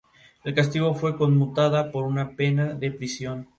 Es una iglesia católica de Santos Apóstoles Pedro y Pablo.